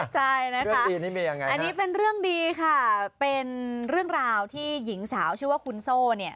ใช่นะคะอันนี้เป็นเรื่องดีค่ะเป็นเรื่องราวที่หญิงสาวชื่อว่าคุณโซ่เนี่ย